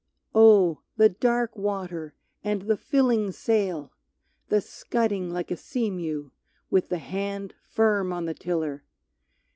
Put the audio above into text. Oh! the dark water, and the filling sail! The scudding like a sea mew, with the hand Firm on the tiller!